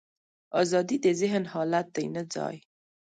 ازادي د ذهن حالت دی، نه ځای.